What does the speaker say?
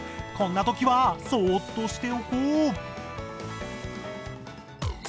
こんな時はそっとしておこう。